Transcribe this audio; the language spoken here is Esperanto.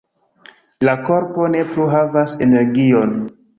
La korpo ne plu havas energion